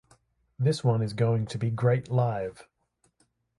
This one is going to be great live.